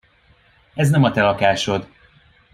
Ez nem a te lakásod.